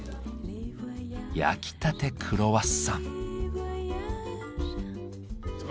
焼きたてクロワッサン。